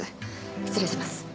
失礼します。